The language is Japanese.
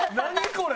これ！